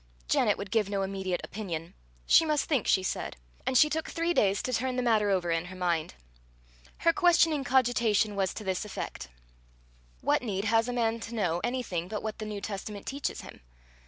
Janet would give no immediate opinion. She must think, she said; and she took three days to turn the matter over in her mind. Her questioning cogitation was to this effect: "What need has a man to know anything but what the New Testament teaches him?